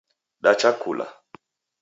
Dacha kula